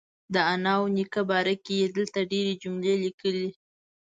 د انا او نیکه باره کې یې دلته ډېرې جملې لیکلي.